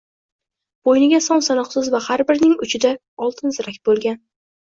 Bo‘yniga son-sanoqsiz va har birining uchida oltin zirak bo‘lgan